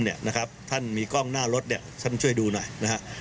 ถ้าท่านมีกล้องหน้ารถเนี่ยฉันช่วยดูหน่อยนะครับ